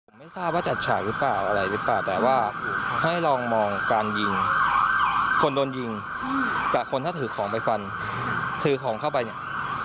ผมไม่ทราบว่าจัดฉากหรือเปล่าอะไรหรือเปล่าแต่ว่าให้ลองมองการยิงคนโดนยิงแต่คนถ้าถือของไปฟันถือของเข้าไปเนี่ย